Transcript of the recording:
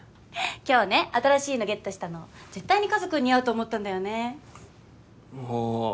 今日ね新しいのゲットしたの絶対にかずくん似合うと思ったんだよねあぁ